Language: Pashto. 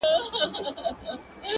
زه به د ميني يوه در زده کړم!!